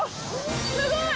・すごい！